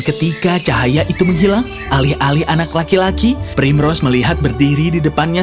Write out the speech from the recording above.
ketika cahaya itu menghilang alih alih anak laki laki primrose melihat berdiri di depannya